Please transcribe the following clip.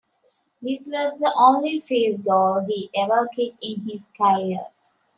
This was the only field goal he ever kicked in his career.